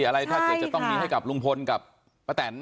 อะไรท่าเกตจะต้องหนีให้กับลุงพลกับป้าแต่น